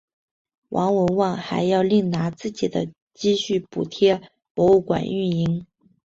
王文旺还要另拿自己的积蓄补贴博物馆运营。